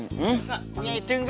nggak punya ide enggak